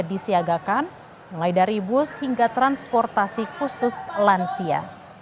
disiagakan mulai dari bus hingga transportasi khusus lansia